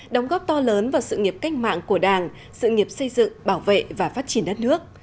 đóng góp to lớn vào sự nghiệp cách mạng của đảng sự nghiệp xây dựng bảo vệ và phát triển đất nước